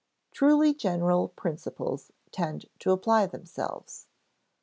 Truly general principles tend to apply themselves.